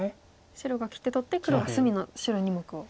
白が切って取って黒が隅の白２目を。